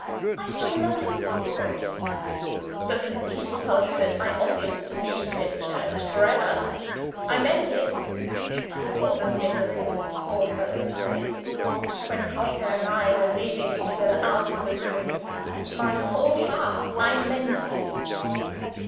"I saw nothing of the sort." "Doesn't he tell you that I offered to leave Dimchurch for ever? I meant it. I saw the misery in the poor fellow's face, when Grosse and I were leading Lucilla out of the room. With my whole heart, I meant it.